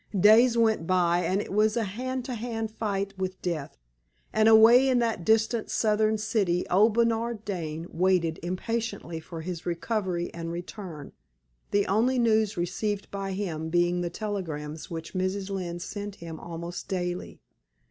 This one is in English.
Days went by; and it was a hand to hand fight with death. And away in that distant Southern city, old Bernard Dane waited impatiently for his recovery and return, the only news received by him being the telegrams which Mrs. Lynne sent him almost daily.